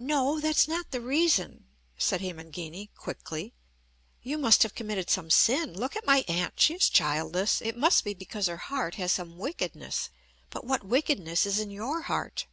"No! That's not the reason," said Hemangini quickly. "You must have committed some sin. Look at my aunt. She is childless. It must be because her heart has some wickedness. But what wickedness is in your heart?"